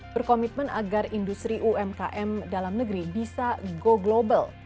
berkomitmen agar industri umkm dalam negeri bisa go global